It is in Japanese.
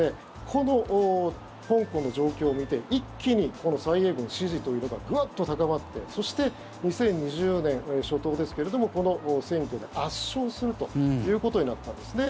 この香港の状況を見て一気に蔡英文支持というのがグッと高まってそして２０２０年初頭ですけれどもこの選挙で圧勝するということになったんですね。